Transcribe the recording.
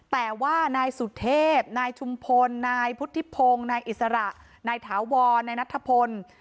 แต่ว่านายสุเทพนายชุมพลนายพุทธิพงศ์นายอิสระนายถาวรนายนัทพล